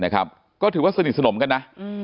ก็ถือว่าสนิทสนมกันนะ